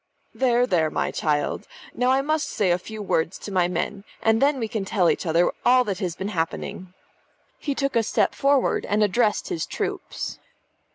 "There, there, my child. Now I must just say a few words to my men, and then we can tell each other all that has been happening." He took a step forward and addressed his troops.